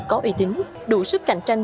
có uy tín đủ sức cạnh tranh